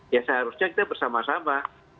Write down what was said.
ya seharusnya kita bersama sama